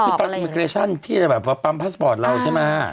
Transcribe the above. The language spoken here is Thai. อันนี้คือตอนมิเกรชั่นที่แบบว่าปั๊มพาสปอร์ตเราใช่ไหมอ่า